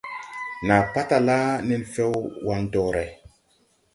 Nàa patala nen fɛw waŋ dɔre.